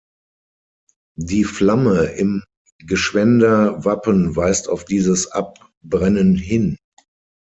Die Flamme im Gschwender Wappen weist auf dieses Abbrennen hin.